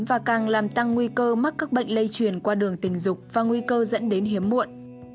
và càng làm tăng nguy cơ mắc các bệnh lây truyền qua đường tình dục và nguy cơ dẫn đến hiếm muộn